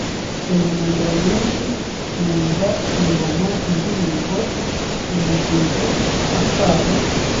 (), umunaniro mwinshi ; numva ingoma, indirimbo, umudiho, akamo